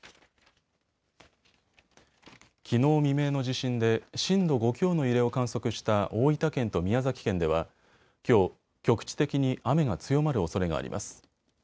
きのう未明の地震で震度５強の揺れを観測した大分県と宮崎県ではきょう、局地的に雨が強まるおそれがあります。